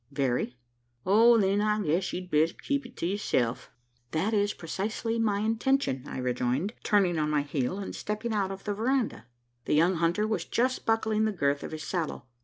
"Very." "Oh, then, I guess, you'd better keep it to yourself." "That is precisely my intention," I rejoined, turning on my heel, and stepping out of the verandah. The young hunter was just buckling the girth of his saddle.